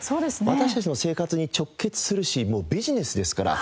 私たちの生活に直結するしもうビジネスですから。